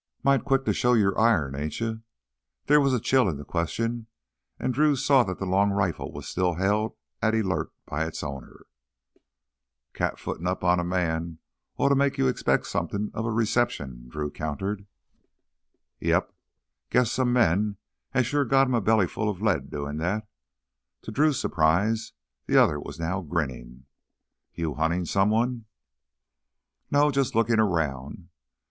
"Mite quick to show your iron, ain't you?" There was a chill in the question, and Drew saw that the long rifle was still held at alert by its owner. "Cat footin' up on a man ought to make you expect somethin' of a reception," Drew countered. "Yep, guess some men has sure got 'em a bellyful of lead doin' that." To Drew's surprise the other was now grinning. "You huntin' someone?" "No, just lookin' around."